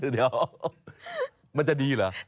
เดี๋ยวมันจะดีเหรอ